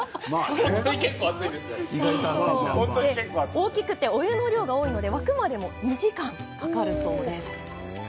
大きくてお湯の量が多いので沸くまで２時間かかるそうです。